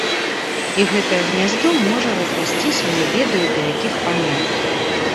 І гэтае гняздо можа разрасціся не ведаю да якіх памераў.